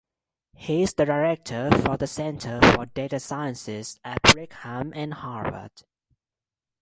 He is the Director for the Center for Data Sciences at Brigham and Harvard.